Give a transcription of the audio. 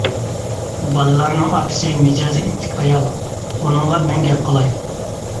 بالىلارنىڭ ئاپىسى مىجەزى ئىتتىك ئايال، ئۇنىڭغا مەن گەپ قىلاي.